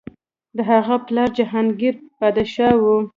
د هغه پلار جهانګیر پادشاه و.